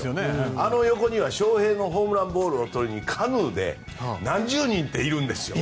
あの横には翔平のホームランボールをとりにカヌーで何十人といるんですよ。